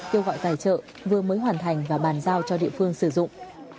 kêu gọi tài trợ vừa mới hoàn thành và bàn giao cho địa phương sử dụng